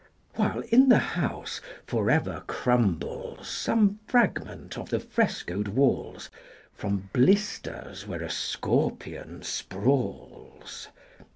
While, in the house, forever crumbles 30 Some fragment of the frescoed walls, From blisters where a scorpion sprawls.